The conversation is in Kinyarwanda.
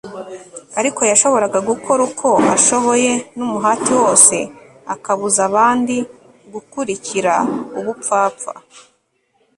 ariko yashoboraga gukora uko ashoboye n'umuhati wose akabuza abandi gukurikira ubupfapfa